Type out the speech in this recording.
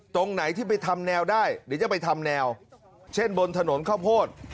ตรงไหนที่ไปทำแนวได้หรือจะไปทำแนวเช่นบนถนนข้าวโพด